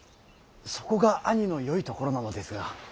そこが兄のよいところなのですが。